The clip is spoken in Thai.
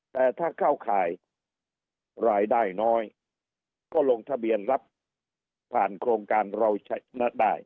แต่ถ้าเข้าข่ายรายได้น้อยก็ลงทะเบียนรับผ่านโครงการเราใช้ได้